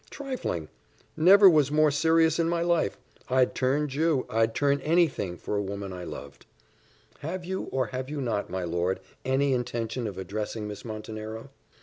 "Trifling! Never was more serious in my life. I'd turn Jew I'd turn any thing, for a woman I loved." "Have you, or have you not, my lord, any intention of addressing Miss Montenero?"